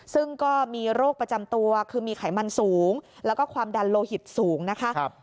ซึ่งก็มีโรคประจำตัวคือมีไขมันสูงแล้วก็ความดันโลหิตสูงนะคะ